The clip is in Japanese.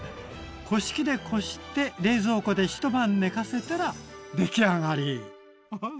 こし器でこして冷蔵庫で一晩寝かせたら出来上がり！